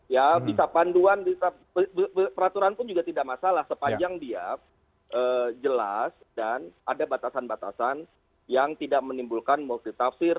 ya bisa panduan bisa peraturan pun juga tidak masalah sepanjang dia jelas dan ada batasan batasan yang tidak menimbulkan multitafsir